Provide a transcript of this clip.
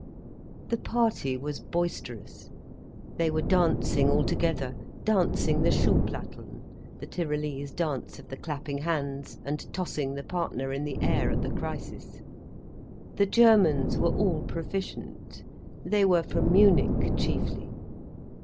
The party was boisterous; they were dancing all together, dancing the Schuhplatteln, the Tyrolese dance of the clapping hands and tossing the partner in the air at the crisis. The Germans were all proficient—they were from Munich chiefly.